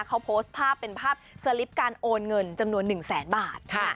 เขาโพสต์ภาพเป็นภาพสลิปการโอนเงินจำนวน๑แสนบาท